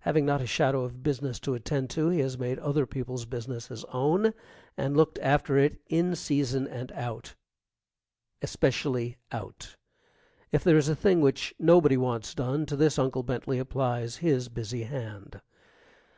Having not a shadow of business to attend to he has made other people's business his own, and looked after it in season and out especially out. If there is a thing which nobody wants done, to this Uncle Bentley applies his busy hand.